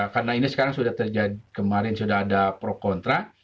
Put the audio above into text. karena ini sudah terjadi kemarin sudah ada pro kontra